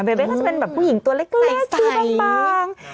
เบเบก็จะเป็นแบบผู้หญิงตัวเล็กเสื้อบาง